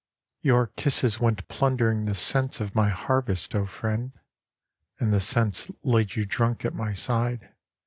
— Your kisses went plundering the scents of my harvest, O friend. And the scents laid you drunk at my side.